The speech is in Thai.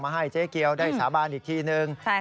ให้เจ๊เกียวได้สาบานอีกทีนึง